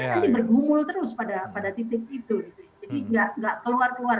titik itu jadi gak keluar keluar